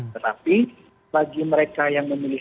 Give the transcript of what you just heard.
tetapi bagi mereka yang memilih